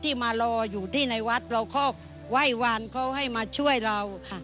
ที่มารออยู่ที่ในวัดเราเข้าไหว้วานเขาให้มาช่วยเรา